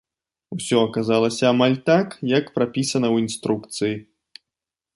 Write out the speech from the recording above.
Усё аказалася амаль так, як прапісана ў інструкцыі.